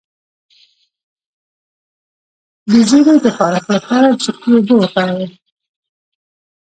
د زیړي د خارښ لپاره د سرکې اوبه وکاروئ